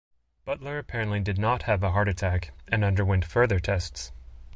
Butler apparently did not have a heart attack, and underwent further tests.